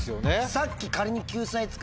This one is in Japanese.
さっき仮に。